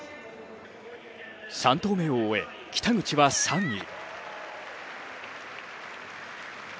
３投目を終え、北口は３位。